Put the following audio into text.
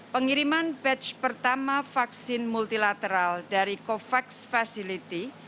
pengiriman batch pertama vaksin multilateral dari covax facility